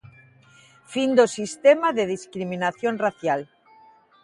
Fin do sistema de discriminación racial.